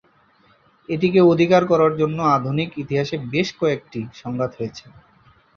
এটিকে অধিকার করার জন্য আধুনিক ইতিহাসে বেশ কয়েকটি সংঘাত হয়েছে।